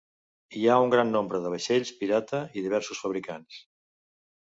Hi ha un gran nombre de vaixells pirata i diversos fabricants.